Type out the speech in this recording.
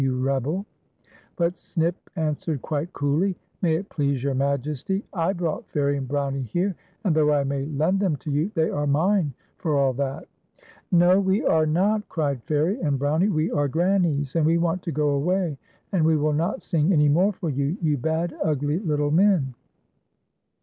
\'ou rebel V But Snip an.>wered quite coolly, " May it please your Majest}', I brought Fairie and Brownie here, and though I may lend them to you, they are mine for all that." " Xo, we are not," cried Fairie and Brownie; "we are Granny's, and we want to go away, and we will not sing any more for you, you bad, ugly little men."